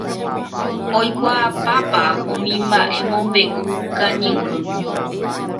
oikuaapápa umi mba'emombe'u kañymby